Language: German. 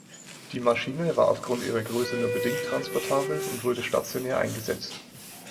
Die Maschine war aufgrund ihrer Größe nur bedingt transportabel und wurde stationär eingesetzt.